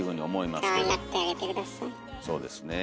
そうですね。